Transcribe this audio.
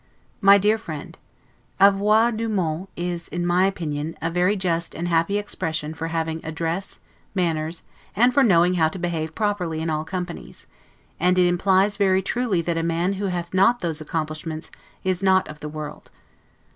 MY DEAR FRIEND: 'Avoir du monde' is, in my opinion, a very just and happy expression for having address, manners, and for knowing how to behave properly in all companies; and it implies very truly that a man who hath not those accomplishments is not of the world.